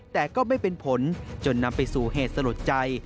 แต่ก็ไม่เป็นผลจนนำไปสู่เหตุสลดใจ